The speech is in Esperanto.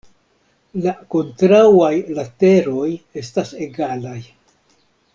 La kontraŭaj lateroj estas egalaj.